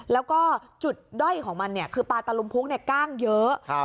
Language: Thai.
แล้วก็จุดด้อยของมันเนี่ยคือปลาตะลุมพุกเนี่ยก้างเยอะ